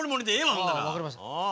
わかりました。